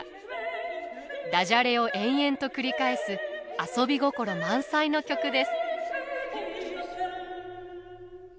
ダジャレを延々と繰り返す遊び心満載の曲です。